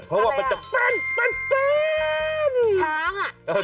เพราะจะเป็นเป็นเป็น